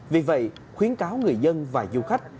vì vậy khuyến cáo người dân và du khách